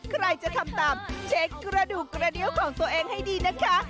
ใครจะทำตามเช็คกระดูกกระเดี้ยวของตัวเองให้ดีนะคะ